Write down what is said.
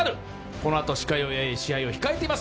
このあと試合を控えています